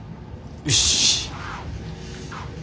よし。